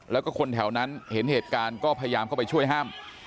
แล้วก็คนแถวนั้นเห็นเหตุการณ์ก็พยายามเข้าไปช่วยห้าม